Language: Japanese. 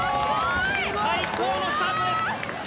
最高のスタートです！